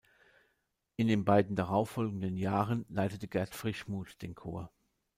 In den beiden darauffolgenden Jahren leitete Gert Frischmuth den Chor.